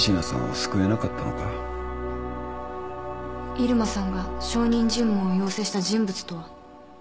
入間さんが証人尋問を要請した人物とは？